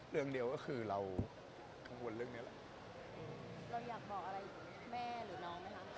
เรื่องเดียวก็คือเรากังวลเรื่องนี้แหละ